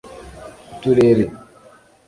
uturere